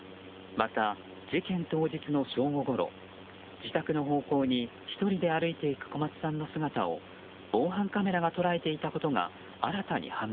また事件当日の正午ごろ自宅の方向に１人で歩いていく小松さんの姿を防犯カメラが捉えていたことが新たに判明。